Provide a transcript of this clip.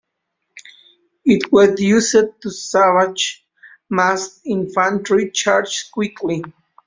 It was used to savage massed infantry charges quickly.